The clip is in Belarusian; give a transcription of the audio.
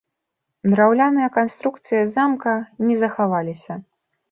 Драўляныя канструкцыі замка не захаваліся.